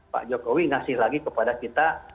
pak jokowi ngasih lagi kepada kita